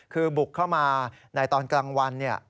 คือบุกเข้ามาในตอนกลางวัน